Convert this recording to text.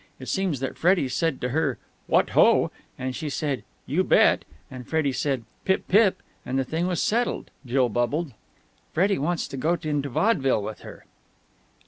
It seems that Freddie said to her 'What ho!' and she said 'You bet!' and Freddie said 'Pip pip!' and the thing was settled." Jill bubbled. "Freddie wants to go into vaudeville with her!"